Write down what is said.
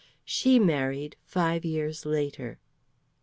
She married five years later.